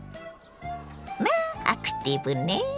まあアクティブね！